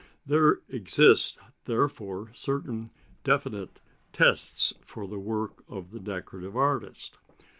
There exist, therefore, certain definite tests for the work of the decorative artist.